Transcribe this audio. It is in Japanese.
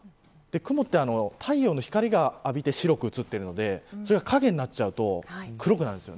雲は太陽の光を浴びて白く映っているのでそれが影になると黒くなるんです。